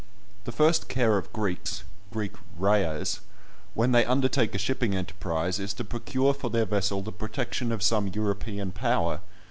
The first care of Greeks (Greek Rayahs) when they undertake a shipping enterprise is to procure for their vessel the protection of some European power.